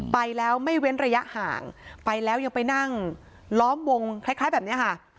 ไปแล้วไม่เว้นระยะห่างไปแล้วยังไปนั่งล้อมวงคล้ายแบบนี้ค่ะ